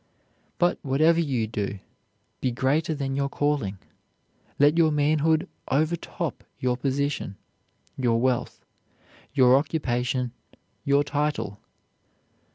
But whatever you do be greater than your calling; let your manhood overtop your position, your wealth, your occupation, your title.